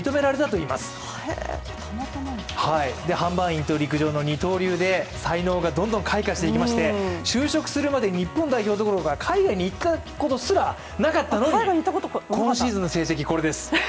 販売員と陸上の二刀流で才能がどんどん開花していきまして就職するまで日本代表どころか海外に行ったことすらなかったのに今シーズンの成績、これです。